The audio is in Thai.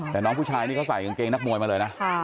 แต่น้องผู้ชายนี่เขาใส่กางเกงนักมวยมาเลยนะ